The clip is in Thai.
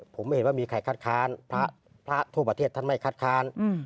ผมไม่เห็นว่ามีใครคัดค้านพระทั่วประเทศท่านไม่คัดค้าน